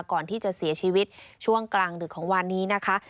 ก่อนที่จะเสียชีวิตช่วงกลางดึกของวันนี้นะคะ